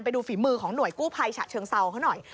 ไปดูฝีมือของหน่วยกู้ภัยฉะเชิงเซาเขาหน่อย